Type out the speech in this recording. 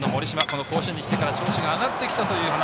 この甲子園に来てから調子が上がってきたという話。